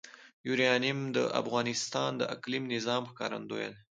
یورانیم د افغانستان د اقلیمي نظام ښکارندوی ده.